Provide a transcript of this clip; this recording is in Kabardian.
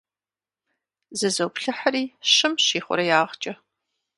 Зызоплъыхьри щымщ ихъуреягъкӏэ.